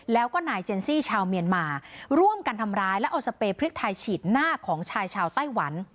แล้วก็นายเจนซี่ชาวเมียนมาร่วมกันทำร้ายแล้วเอาสเปรพริกไทยฉีดหน้าของชายชาวไต้หวัน